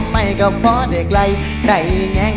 ไม่ก็เพราะเด็กไหลได้ไง